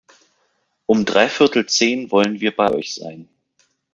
Um dreiviertel zehn wollen wir bei euch sein.